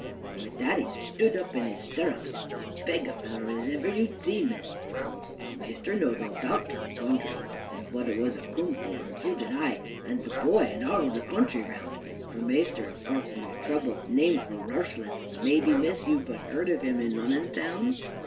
And with that he stood up in his starrups, as beg a feller as iver you zee, Miss. Wull, Maister knowed all about Tom Gundry and what a was a coom for, and zo did I, and the boy, and arl the country round; for Maister have gotten a turble name for rarstling; maybe, Miss, you've a heer'd on him in Lunnon town?"